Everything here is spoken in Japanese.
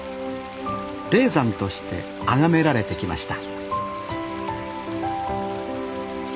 霊山としてあがめられてきました